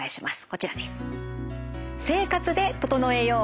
こちらです。